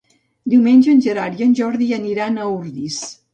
Diumenge en Gerard i en Jordi aniran a Ordis.